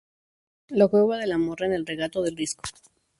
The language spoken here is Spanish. La cueva de la mora en el regato del Risco.